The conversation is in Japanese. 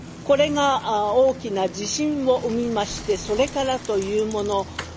これが大きな自信を生みましてそれからというもの